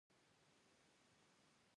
نو د نا امېدۍ مسکا يې وکړه وې چې کېدے شي